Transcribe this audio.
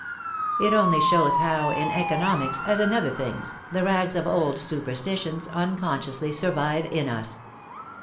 It only shows how, in eco nomics as in other things, the rags of old superstitions unconsciously survive in us.